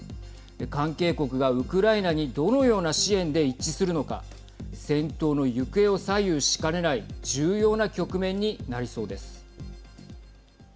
関係国がウクライナにどのような支援で一致するのか戦闘の行方を左右しかねない重要な局面になりそうです。